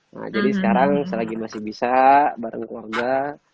nah jadi sekarang selagi masih bisa bareng keluarga